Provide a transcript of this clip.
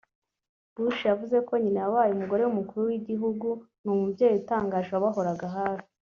Bush yavuze ko nyina yabaye umugore w’Umukuru w’Igihugu n’umubyeyi utangaje wabahoraga hafi